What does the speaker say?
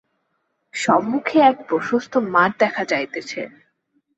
সম্মুখে এক প্রশস্ত মাঠ দেখা যাইতেছে।